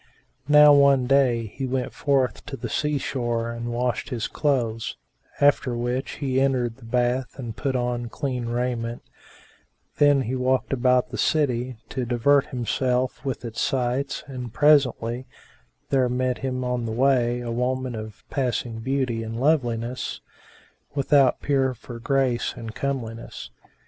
Now one day he went forth to the sea shore and washed his clothes; after which he entered the bath and put on clean raiment; then he walked about the city, to divert himself with its sights and presently there met him on the way a woman of passing beauty and loveliness, without peer for grace and comeliness.